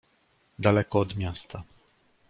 "Daleko od miasta..."